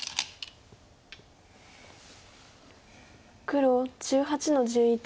黒１８の十一。